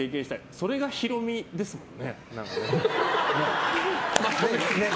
それがヒロミですもんね。